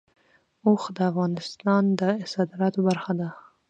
اوښ د افغانستان د صادراتو برخه ده.